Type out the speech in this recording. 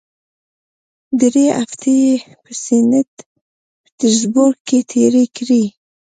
درې هفتې یې په سینټ پیټرزبورګ کې تېرې کړې.